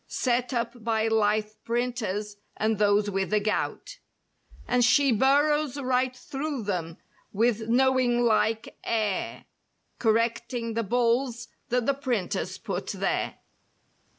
Set up by lithe printers and those with the gout; And she burrows right through them with knowing¬ like air. Correcting the "bulls" that the printers put there.